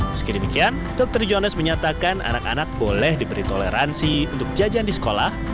meski demikian dokter johannes menyatakan anak anak boleh diberi toleransi untuk jajan di sekolah